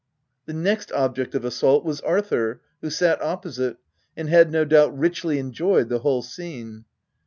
The next object of assault was Arthur, who sat opposite, and had no doubt richly enjoyed the whole scene.